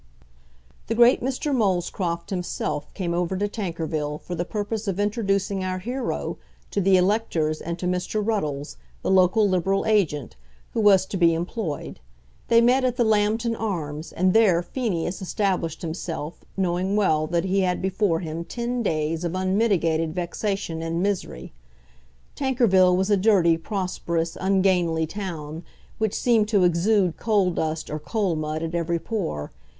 The great Mr. Molescroft himself came over to Tankerville for the purpose of introducing our hero to the electors and to Mr. Ruddles, the local Liberal agent, who was to be employed. They met at the Lambton Arms, and there Phineas established himself, knowing well that he had before him ten days of unmitigated vexation and misery. Tankerville was a dirty, prosperous, ungainly town, which seemed to exude coal dust or coal mud at every pore.